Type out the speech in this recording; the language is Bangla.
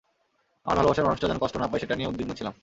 আমার ভালবাসার মানুষটা যেন কষ্ট না পায় সেটা নিয়ে উদ্বিগ্ন ছিলাম।